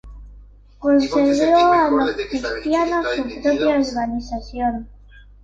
Concedió a los cristianos su propia organización.